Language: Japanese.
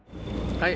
はい。